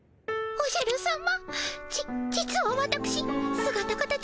おじゃるさま。